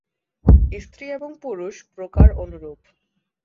স্ত্রী এবং পুরুষ প্রকার অনুরূপ।